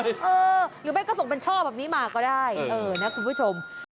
หรือไม่ก็ส่งเป็นช่อแบบนี้มาก็ได้เออนะคุณผู้ชม